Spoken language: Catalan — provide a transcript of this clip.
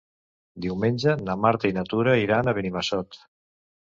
Diumenge na Marta i na Tura iran a Benimassot.